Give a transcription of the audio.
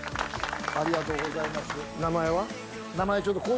ありがとうございます。